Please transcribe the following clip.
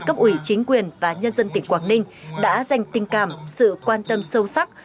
cấp ủy chính quyền và nhân dân tỉnh quảng ninh đã dành tình cảm sự quan tâm sâu sắc